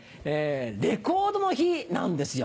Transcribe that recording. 「レコードの日」なんですよ。